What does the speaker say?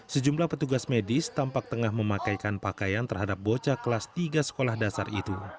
sejumlah petugas medis tampak tengah memakaikan pakaian terhadap bocah kelas tiga sekolah dasar itu